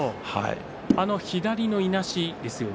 左のいなしですよね。